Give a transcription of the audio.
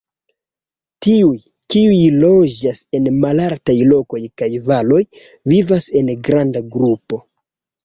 Tiuj, kiuj loĝas en malaltaj lokoj kaj valoj, vivas en granda grupo.